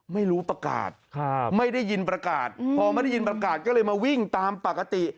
ไม่รู้ประกาศไม่ได้ยินประกาศพอไม่ได้ยินประกาศก็เลยมาวิ่งตามปกติ